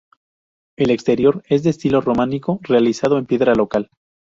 El exterior es de estilo románico realizado en piedra local.